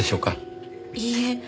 いいえ。